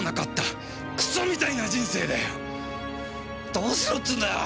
どうしろって言うんだよ！？